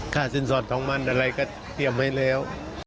สินสอดของมันอะไรก็เตรียมไว้แล้ว